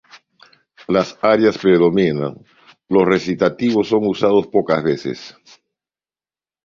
Las arias predominan, los recitativos son usados pocas veces.